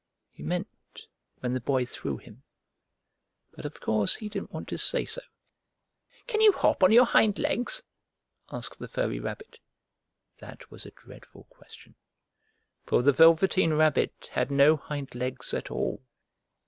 He meant when the Boy threw him, but of course he didn't want to say so. "Can you hop on your hind legs?" asked the furry rabbit. That was a dreadful question, for the Velveteen Rabbit had no hind legs at all!